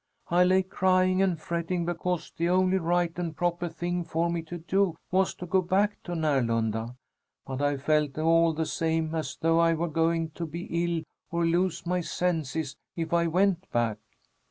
I lay crying and fretting because the only right and proper thing for me to do was to go back to Närlunda. But I felt all the same as though I were going to be ill or lose my senses if I went back.